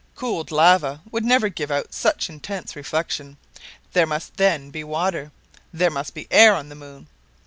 Cooled lava would never give out such intense reflection. There must then be water, there must be air on the moon.